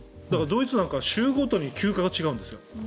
ドイツなんかは州ごとに休暇が違うんですよ。